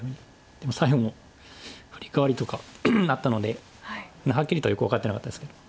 でも左辺もフリカワリとかあったのではっきりとはよく分かってなかったですけど。